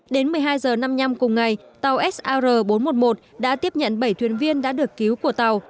đến một mươi hai h năm mươi năm cùng ngày tàu sr bốn trăm một mươi một đã tiếp nhận bảy thuyền viên đã được cứu của tàu